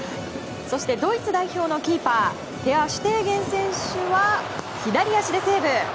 そして、ドイツ代表のキーパーテア・シュテーゲン選手は左足でセーブ。